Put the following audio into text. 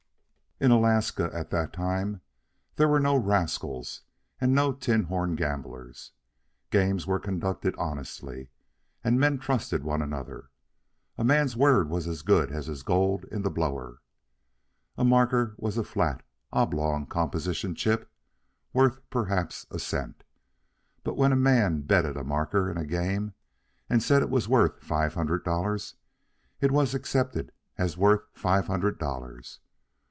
In Alaska, at that time, there were no rascals and no tin horn gamblers. Games were conducted honestly, and men trusted one another. A man's word was as good as his gold in the blower. A marker was a flat, oblong composition chip worth, perhaps, a cent. But when a man betted a marker in a game and said it was worth five hundred dollars, it was accepted as worth five hundred dollars.